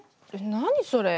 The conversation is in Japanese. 何それ？